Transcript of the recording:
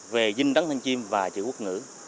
về vinh đắn thanh chiêm và chữ quốc ngữ